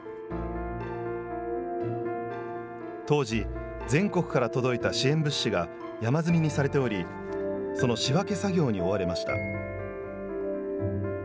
当時、全国から届いた支援物資が山積みにされており、その仕分け作業に追われました。